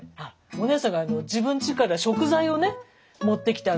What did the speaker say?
お姉さんが自分ちから食材をね持ってきて。